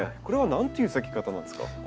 これは何という咲き方なんですか？